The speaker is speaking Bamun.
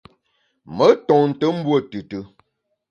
Me ntonte mbuo tùtù.